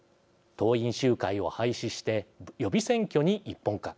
党員集会を廃止して予備選挙に一本化。